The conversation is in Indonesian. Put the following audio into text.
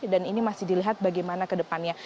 dan ini masih dilihat bagaimana kedepannya